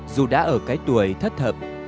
dù đã ở cái tuổi thất thậm